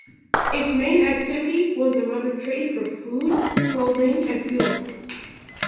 Its main activity was the rubber trade for food, clothing and fuel.